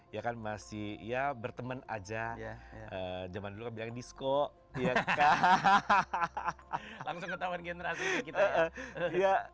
ya kan masih ya berteman aja jaman dulu bilang diskok ya hahaha langsung ketahuan generasi